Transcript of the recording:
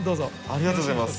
ありがとうございます。